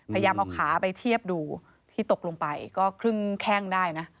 พยายามเอาขาไปเทียบดูที่ตกลงไปก็ครึ่งแข้งได้นะ